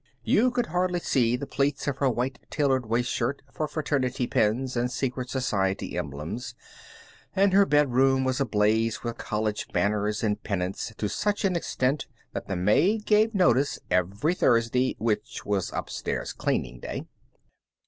You could hardly see the plaits of her white tailored shirtwaist for fraternity pins and secret society emblems, and her bedroom was ablaze with college banners and pennants to such an extent that the maid gave notice every Thursday which was upstairs cleaning day.